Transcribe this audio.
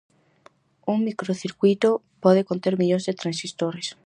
Un microcircuíto pode conter millóns de transistores.